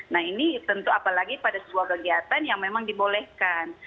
nah ini tentu apalagi pada sebuah kegiatan yang memang dibolehkan